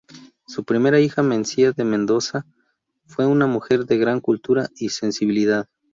Su primera hija, Mencía de Mendoza, fue una mujer de gran cultura y sensibilidad.